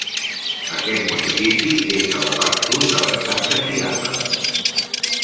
Aquest municipi és a la part sud de l'estat de Chiapas.